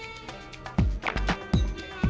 strategi ini dilakukan dengan keinginan dari kakak